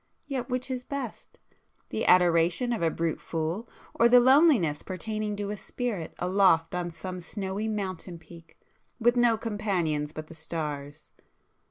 Yet which is best?—the adoration of a brute fool, or the loneliness pertaining to a spirit aloft on some snowy mountain peak, with no companions but the stars?